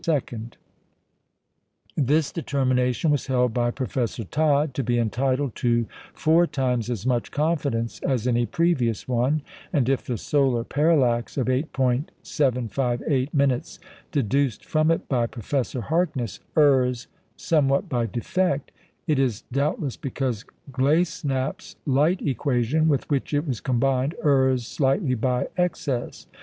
This determination was held by Professor Todd to be entitled to four times as much confidence as any previous one; and if the solar parallax of 8·758" deduced from it by Professor Harkness errs somewhat by defect, it is doubtless because Glasenapp's "light equation," with which it was combined, errs slightly by excess.